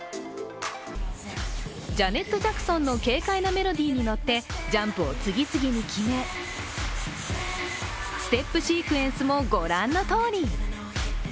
ジャネット・ジャクソンの軽快なメロディーに乗ってジャンプを次々に決め、ステップシークエンスもご覧のとおり。